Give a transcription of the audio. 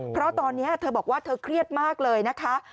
เพราะตอนนี้เธอบอกว่าเธอเครียดมากเลยนะคะ